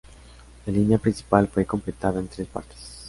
La línea principal fue completada en tres partes.